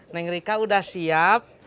neng rika udah siap